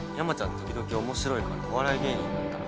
時々面白いからお笑い芸人になったら？